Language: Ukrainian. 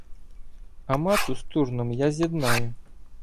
Амату з Турном я з'єднаю